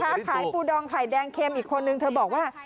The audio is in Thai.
ค้าขายปูดองไข่แดงเค็มอีกคนนึงเธอบอกว่า